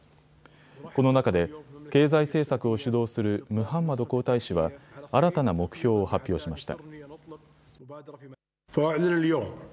この中で経済政策を主導するムハンマド皇太子は新たな目標を発表しました。